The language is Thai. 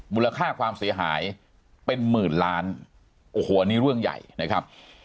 มูลค่าความเสียหายเป็นหมื่นล้านโอ้โหอันนี้เรื่องใหญ่นะครับ